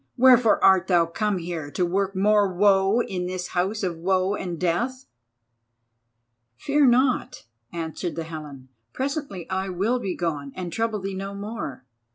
Wherefore art thou come here to work more woe in this house of woe and death?" "Fear not," answered the Helen, "presently I will begone and trouble thee no more.